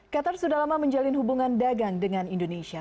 qatar sudah lama menjalin hubungan dagang dengan indonesia